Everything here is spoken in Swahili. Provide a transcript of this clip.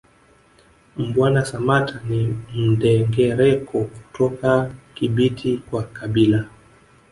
Mbwana Samatta ni Mndengereko kutoka Kibiti kwa kabila